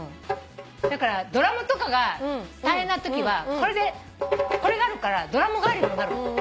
だからドラムとかが大変なときはこれがあるからドラム代わりにもなる。